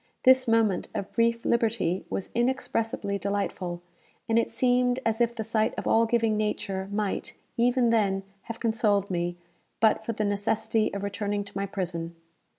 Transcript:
This moment of brief liberty was inexpressibly delightful, and it seemed as if the sight of all giving Nature might, even then, have consoled me, but for the necessity of returning to my prison.